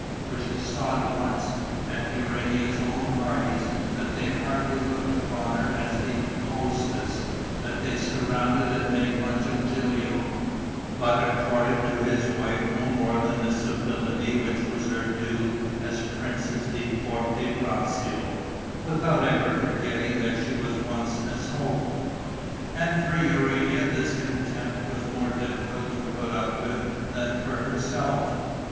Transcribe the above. For she saw at once, at Urania's own parties, that they hardly looked upon her as the hostess, that they surrounded and made much of Gilio, but accorded to his wife no more than the civility which was her due as Princess di Forte Braccio, without ever forgetting that she was once Miss Hope. And for Urania this contempt was more difficult to put up with than for herself.